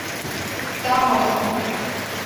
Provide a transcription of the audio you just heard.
在二号出口